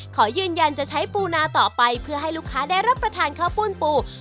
ขอยืนยันจะใช้ปูนาต่อไปเพื่อให้ลูกค้าได้รับประทานข้าวปุ้นปู